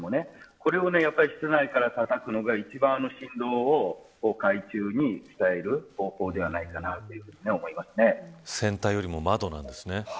これを室内からたたくのが一番振動を海中に伝える方法ではないかなと船体よりも窓なんですね。